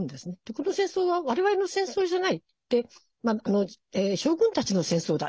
この戦争は我々の戦争じゃない将軍たちの戦争だ。